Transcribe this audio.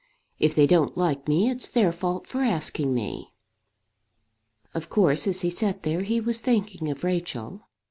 "If they don't like me it's their fault for asking me." Of course as he sat there he was thinking of Rachel.